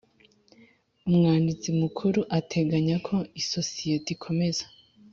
umwanditsi Mukuru ateganya ko isosiyete ikomeza